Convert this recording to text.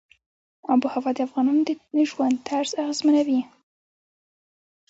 آب وهوا د افغانانو د ژوند طرز اغېزمنوي.